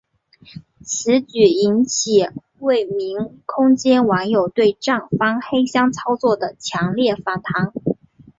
此举引起未名空间网友对站方黑箱操作的强烈反弹。